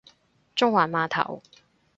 中環碼頭